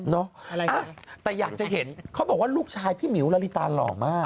อะไรนะแต่อยากจะเห็นเขาบอกว่าลูกชายพี่หมิวลาลิตาหล่อมาก